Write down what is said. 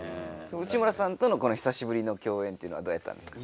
内村さんとの久しぶりの共演というのはどうやったんですか？